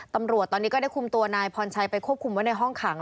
ตำรวจตอนนี้ก็ได้คุมตัวนายพรชัยไปควบคุมไว้ในห้องขัง